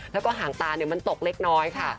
แล้วก็หางตามันตกเล็กน้อยค่ะ